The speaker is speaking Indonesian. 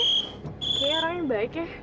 iya ngerain baik ya